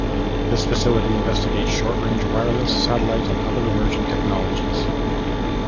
This facility investigates short-range wireless, satellite, and other emerging technologies.